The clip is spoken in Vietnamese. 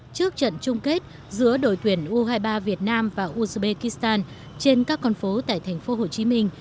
trước trận chung kết giữa đội tuyển u hai mươi ba việt nam và uzbekistan trên các con phố tại thành phố hồ chí minh